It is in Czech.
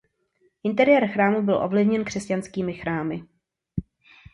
Interiér chrámu byl ovlivněn křesťanskými chrámy.